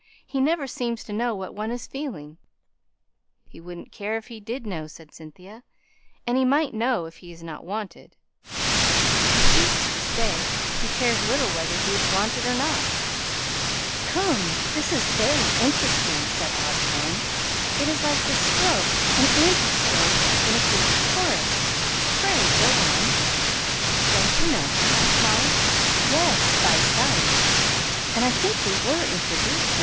He never seems to know what one is feeling." "He wouldn't care if he did know," said Cynthia. "And he might know he is not wanted." "If he chooses to stay, he cares little whether he is wanted or not." "Come, this is very interesting," said Osborne. "It is like the strophe and anti strophe in a Greek chorus. Pray, go on." "Don't you know him?" asked Molly. "Yes, by sight, and I think we were once introduced.